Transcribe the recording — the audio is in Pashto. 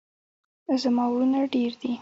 زما ورونه ډیر دي